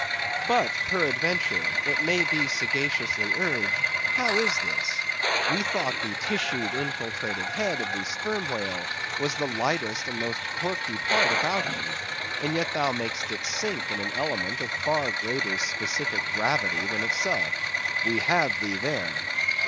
But, peradventure, it may be sagaciously urged, how is this? We thought the tissued, infiltrated head of the Sperm Whale, was the lightest and most corky part about him; and yet thou makest it sink in an element of a far greater specific gravity than itself. We have thee there.